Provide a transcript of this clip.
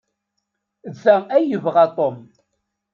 D ta ay yebɣa Tom.